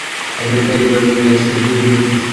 একেই বলে লেট-স্টেজ পুঁজিবাদের খুশী।